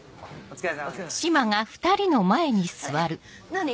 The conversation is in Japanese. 何？